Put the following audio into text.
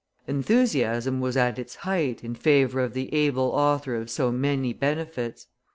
Enthusiasm was at its height in favor of the able author of so many benefits.